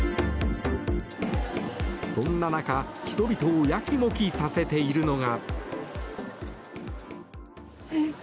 そんな中、人々をやきもきさせているのが。